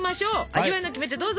味わいのキメテどうぞ。